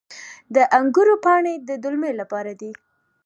د انګورو پاڼې د دلمې لپاره دي.